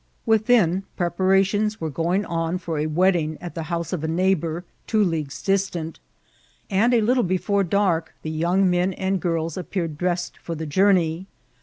Within, preparations were going on for a wedding at the house of a neighbour, two leagues distant, and a little before dark the young men and girls appeared dressed for the journey.